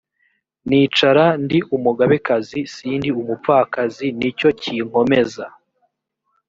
nicara ndi umugabekazi sindi umupfakazi ni cyo kinkomeza